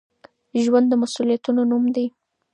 ژوند د مسؤليتونو نوم دی.